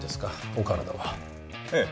お体はええ